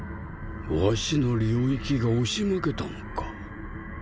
わしの領域が押し負けたのか？